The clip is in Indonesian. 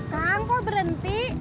kak kok berhenti